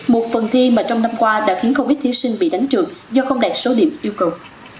một phần thi mà trong năm qua đã khiến không ít thí sinh bị đánh trượt do không đạt số điểm yêu cầu